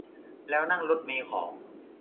แล้วนั่งรถเมล์ของ